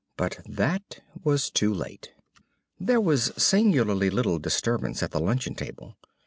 But that was too late. There was singularly little disturbance at the luncheon table.